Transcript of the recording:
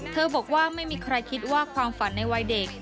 บอกว่าไม่มีใครคิดว่าความฝันในวัยเด็ก